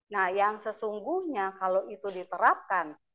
nah yang sesungguhnya kalau itu diterapkan